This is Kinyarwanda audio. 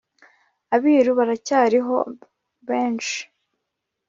abiru baracyariho bemshi